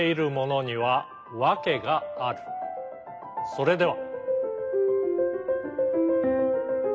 それでは。